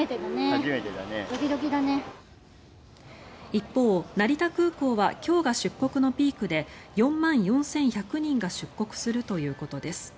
一方、成田空港は今日が出国のピークで４万４１００人が出国するということです。